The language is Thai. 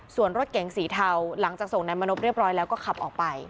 ส่วนรถเก๋งสีเทาหลังจากส่งนายมณพเรียบร้อยแล้วก็ขับออกไป